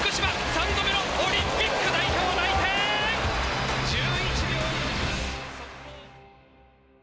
３度目のオリンピック代表内定！